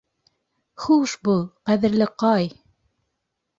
Хуш бул, ҡәҙерле Кай.